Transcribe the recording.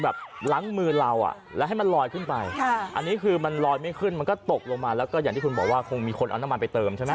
อย่างที่คุณบอกว่าคงมีคนเอาน้ำมันไปเติมใช่ไหม